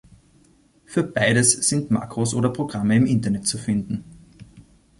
Für beides sind Makros oder Programme im Internet zu finden.